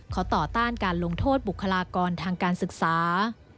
เขาต่อต้านการลงโทษบุคลากรทางการศึกษา